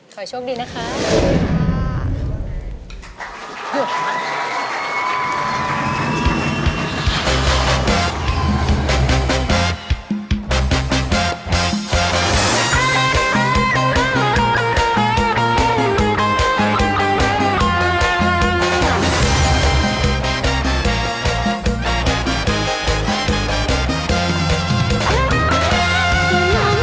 ขอโชคดีนะครับ